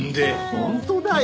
本当だよ！